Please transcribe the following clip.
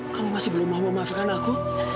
kamu masih belum mau memaafkan aku